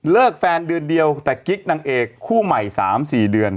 แฟนเดือนเดียวแต่กิ๊กนางเอกคู่ใหม่๓๔เดือน